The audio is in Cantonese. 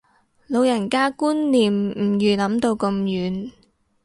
老人家觀念唔預諗到咁遠